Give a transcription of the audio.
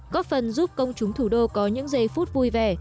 góp phần giúp công chúng thủ đô có những giây phút vui vẻ